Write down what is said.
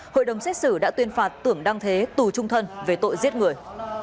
hội đồng xét xử đã tuyên phạt tưởng đăng thế tù trung thân về tội giết người